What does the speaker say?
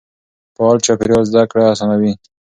فعال چاپېريال زده کړه اسانوي.